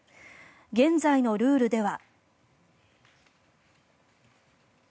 現在のルールでは。